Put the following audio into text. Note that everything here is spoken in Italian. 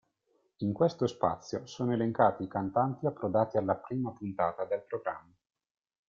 In questo spazio sono elencati i cantanti approdati alla prima puntata del programma.